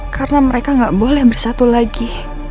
karena mereka gak boleh bersatu lagi